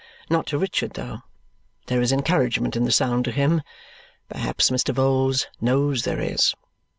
Not to Richard, though. There is encouragement in the sound to him. Perhaps Mr. Vholes knows there is.